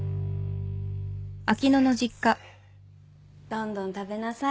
どんどん食べなさい。